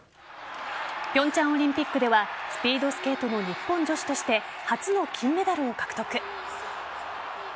平昌オリンピックではスピードスケートの日本女子として初の金メダルを獲得。